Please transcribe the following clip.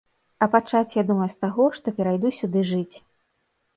А пачаць я думаю з таго, што перайду сюды жыць.